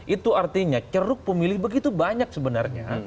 itu artinya ceruk pemilih begitu banyak sebenarnya